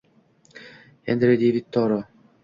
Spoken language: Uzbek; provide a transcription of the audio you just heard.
Henri Devid Toro